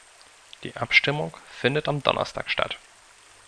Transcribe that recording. Die Abstimmung findet am Donnerstag statt.